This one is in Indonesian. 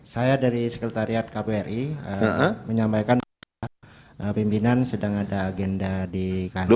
saya dari sekretariat kbri menyampaikan pimpinan sedang ada agenda di kantor